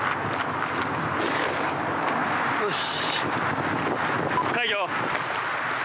よし。